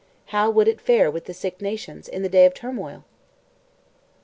How would it fare with the Six Nations in the day of turmoil?